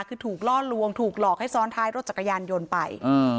คือถูกล่อลวงถูกหลอกให้ซ้อนท้ายรถจักรยานยนต์ไป